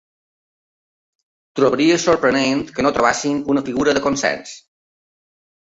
Trobaria sorprenent que no trobéssim una figura de consens.